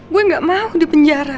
gue gak mau di penjara